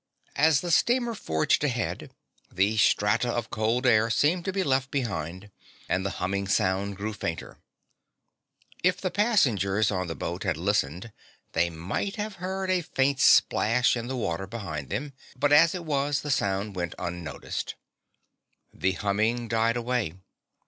As the steamer forged ahead the strata of cold air seemed to be left behind, and the humming sound grew fainter. If the passengers on the boat had listened, they might have heard a faint splash in the water behind them, but as it was the sound went unnoticed. The humming died away.